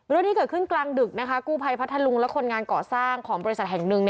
เรื่องนี้เกิดขึ้นกลางดึกนะคะกู้ภัยพัทธลุงและคนงานก่อสร้างของบริษัทแห่งหนึ่ง